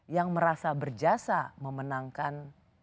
yang merasa berjasa memenangkan